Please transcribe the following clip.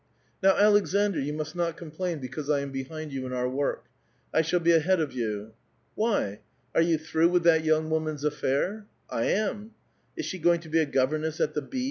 " Now, Aleksandr, you must not complain because I am behind you in our work. I shall be ahead of you." ''Wh3'? Are you through with that young woman's affair?" '' I am." " Is she going to be a governess at the B.s'?